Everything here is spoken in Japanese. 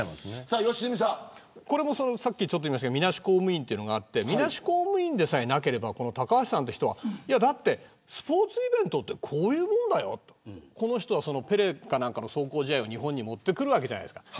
さっき、言いましたけどみなし公務員があってみなし公務員でなければ高橋さんという人はスポーツイベントってこういうもんだよとこの人はペレかなんかの壮行試合を日本に持ってくるわけじゃないですか。